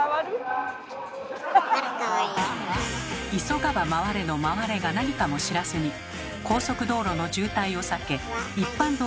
「急がば回れ」の「回れ」が何かも知らずに高速道路の渋滞を避け一般道に降りてもまた渋滞。